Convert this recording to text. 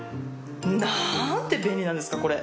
何て便利なんですかこれ。